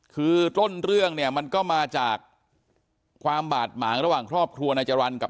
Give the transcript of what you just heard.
คือต้นเรื่องเนี่ยมันก็มาจากความบาดหมางระหว่างครอบครัวนายจรรย์กับ